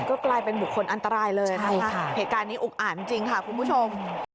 ก็กลายเป็นบุคคลอันตรายเลยเหตุการณ์นี้อุกอ่านจริงค่ะคุณผู้ชม